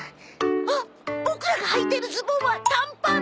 あっボクらがはいてるズボンは「たんパン」！